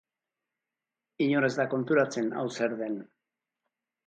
Inor ez da konturatzen hau zer den.